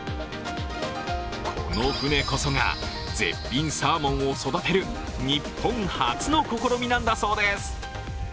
この船こそが絶品サーモンを育てる日本初の試みなんだそうです。